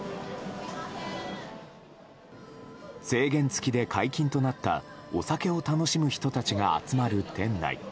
制限付きで解禁となったお酒を楽しむ人たちが集まる店内。